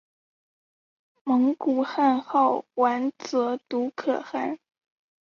蒙古汗号完泽笃可汗。